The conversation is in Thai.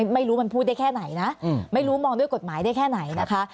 ไม่รู้มันพูดได้แค่ไหนนะไม่รู้มองด้วยกฎหมายได้แค่ไหนนะคะ